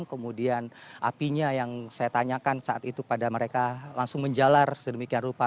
kemudian apinya yang saya tanyakan saat itu pada mereka langsung menjalar sedemikian rupa